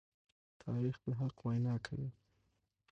تاریخ د حق وینا کوي.